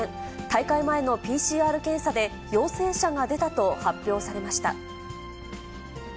大会前のＰＣＲ検査で、陽性者が出たと発表されました。